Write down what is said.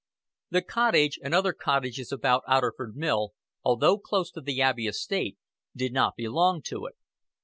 The cottage and other cottages about Otterford Mill, although close to the Abbey estate, did not belong to it.